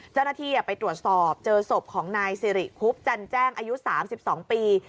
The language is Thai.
เจ้าหน้าที่ไปตรวจสอบเจอศพของนายสิริคุบจันแจ้งอายุ๓๒ปี